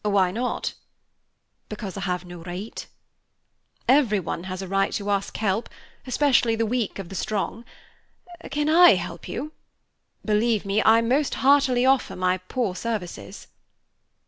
"Why not?" "Because I have no right." "Everyone has a right to ask help, especially the weak of the strong. Can I help you? Believe me, I most heartily offer my poor services."